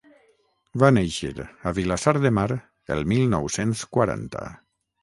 Va néixer a Vilassar de Mar el mil nou-cents quaranta.